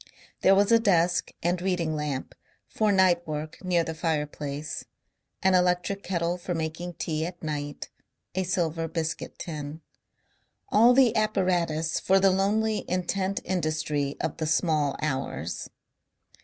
There was a desk and reading lamp for night work near the fireplace, an electric kettle for making tea at night, a silver biscuit tin; all the apparatus for the lonely intent industry of the small hours.